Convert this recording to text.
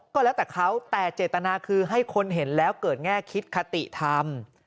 ก็แล้วแต่เขาแต่เจตนาคือให้คนเห็นแล้วเกิดแง่คิดคติธรรม